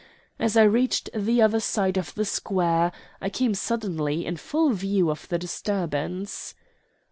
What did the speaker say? As I reached the other side of the square I came suddenly in full view of the disturbance.